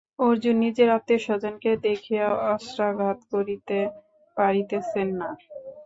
অর্জুন নিজের আত্মীয়স্বজনকে দেখিয়া অস্ত্রাঘাত করিতে পারিতেছেন না।